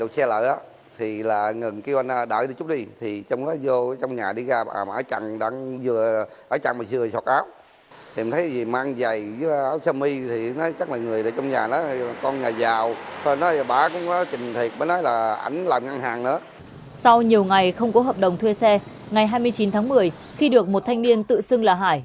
sau nhiều ngày không có hợp đồng thuê xe ngày hai mươi chín tháng một mươi khi được một thanh niên tự xưng là hải